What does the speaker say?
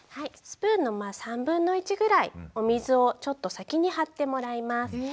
スプーンの３分の１ぐらいお水をちょっと先に張ってもらいます。